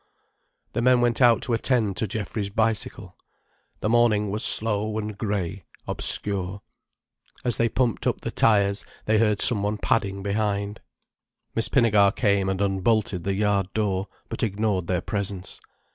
The men went out to attend to Geoffrey's bicycle. The morning was slow and grey, obscure. As they pumped up the tires, they heard some one padding behind. Miss Pinnegar came and unbolted the yard door, but ignored their presence.